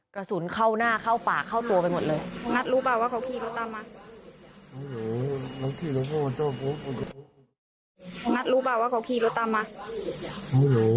กระสุนเข้าหน้าเข้าปากเข้าตัวไปหมดเลย